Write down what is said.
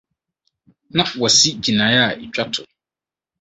Ná wasi gyinae a etwa to.